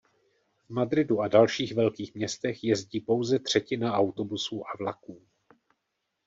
V Madridu a dalších velkých městech jezdí pouze třetina autobusů a vlaků.